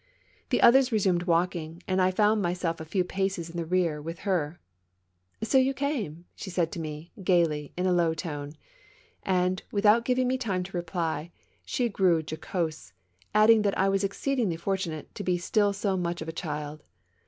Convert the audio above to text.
The others resumed walking and I found myself a few paces in the rear with her. " So you came I " said she to me, gayly, in a low tone. And, without giving me time to reply, she grew jocose, adding that I was exceedingly fortunate to be still so much of a child.